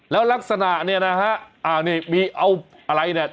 แล้วลักษณะเนี่ยนะฮะเอาเนี่ยมีเอาอะไรมาดูกันนะครับ